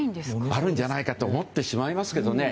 あるんじゃないかと思ってしまいますけどね。